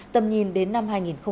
tầm nhìn đến năm hai nghìn ba mươi